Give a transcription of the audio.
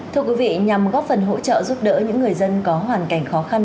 thưa quý vị nhằm góp phần hỗ trợ giúp đỡ những người dân có hoàn cảnh khó khăn